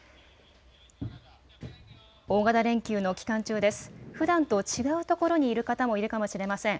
大型連休の期間中です。ふだんと違うところにいる方もいるかもしれません。